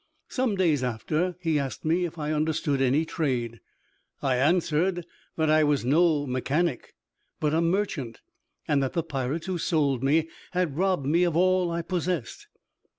Some days after he asked me if I understood any trade. I answered that I was no mechanic, but a merchant, and that the pirates who sold me had robbed me of all I possessed.